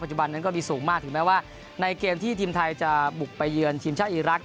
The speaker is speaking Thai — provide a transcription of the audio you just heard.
จุบันนั้นก็มีสูงมากถึงแม้ว่าในเกมที่ทีมไทยจะบุกไปเยือนทีมชาติอีรักษ